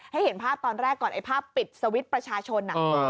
เห็นภาพตอนแรกก่อนไอ้ภาพปิดสวิตช์ประชาชน